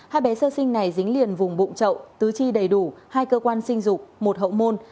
hai bé sơ sinh này dính liền vùng bụng chậu tứ chi đầy đủ hai cơ quan sinh dục một hậu môn